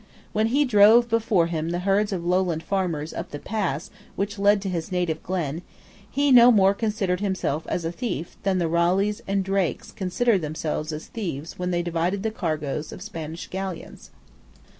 When he drove before him the herds of Lowland farmers up the pass which led to his native glen, he no more considered himself as a thief than the Raleighs and Drakes considered themselves as thieves when they divided the cargoes of Spanish galleons.